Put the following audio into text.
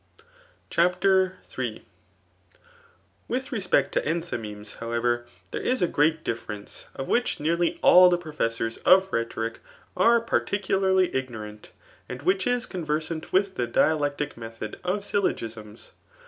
16 TBS ART W .M«ai:t. CHAiPTER Iff. With respect to enthymemes, however, there h a greaf difference, of which nearly all [the professors 6f rhetorkj are particularly ignorant, and which is conversant with die dialectk: method of syllogisms.